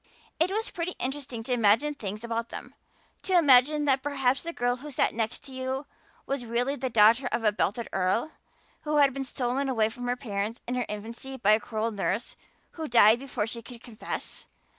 It was pretty interesting to imagine things about them to imagine that perhaps the girl who sat next to you was really the daughter of a belted earl, who had been stolen away from her parents in her infancy by a cruel nurse who died before she could confess.